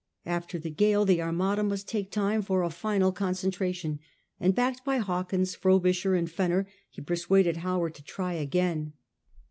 After the gale the Armada must take time for a final concentration, and backed by Hawkins, Frobisher, and Fenner, he persuaded Howard to try again.